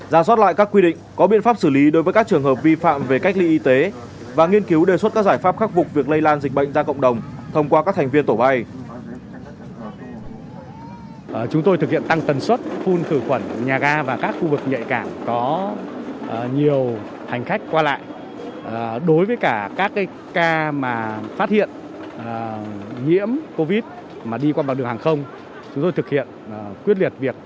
giả soát lại các quy định có biện pháp xử lý đối với các trường hợp vi phạm về cách ly y tế